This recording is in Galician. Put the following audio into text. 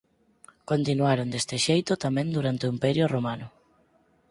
Continuaron deste xeito tamén durante o Imperio Romano.